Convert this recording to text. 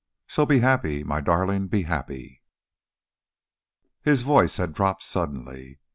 So be happy, my darling, be happy." His voice had dropped suddenly.